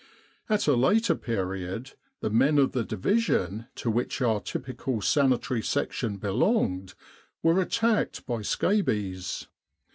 At a later period, the men of the Division to which our typical Sanitary Section belonged, were attacked by scabies.